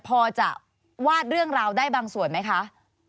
พอจะวาดเรื่องราวได้บางส่วนไหมคะ